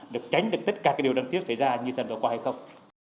để tránh được tất cả cái điều đáng tiếc xảy ra như dần vừa qua hay không